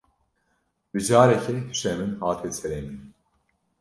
Bi carekê hişê min hate serê min.